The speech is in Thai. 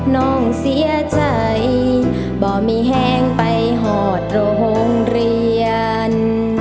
น้องเสียใจบ่มีแห้งไปหอดโรงเรียน